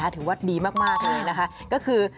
ถือว่าดีมากนี่นะครับ